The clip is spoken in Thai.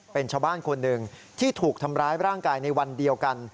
เป็นชาวบ้านคนหนึ่งที่ถูกทำร้ายร่างกายในวันเดียวกัน